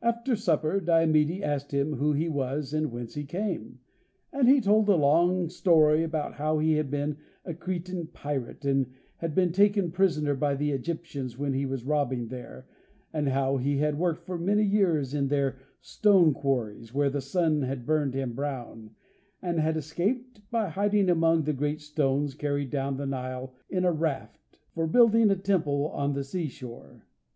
After supper Diomede asked him who he was and whence he came, and he told a long story about how he had been a Cretan pirate, and had been taken prisoner by the Egyptians when he was robbing there, and how he had worked for many years in their stone quarries, where the sun had burned him brown, and had escaped by hiding among the great stones, carried down the Nile in a raft, for building a temple on the seashore.